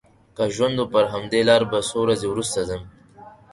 که ژوند و پر همدې لاره به څو ورځې وروسته ځم.